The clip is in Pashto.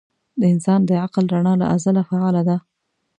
د انسان د عقل رڼا له ازله فعاله ده.